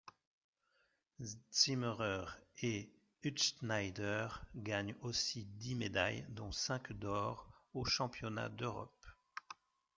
Zimmerer et Utzschneider gagnent aussi dix médailles dont cinq d'or aux championnats d'Europe.